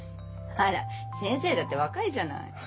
あら先生だって若いじゃない。